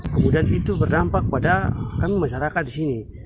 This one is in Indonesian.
kemudian itu berdampak pada kami masyarakat di sini